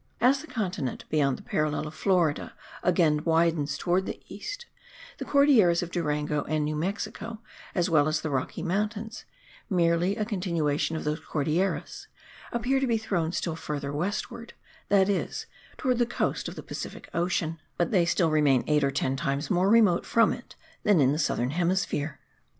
As the continent beyond the parallel of Florida again widens towards the east, the Cordilleras of Durango and New Mexico, as well as the Rocky Mountains, merely a continuation of those Cordilleras, appear to be thrown still further westward, that is, towards the coast of the Pacific Ocean; but they still remain eight or ten times more remote from it than in the southern hemisphere.